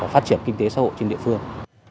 phát triển kinh tế xã hội trên địa phương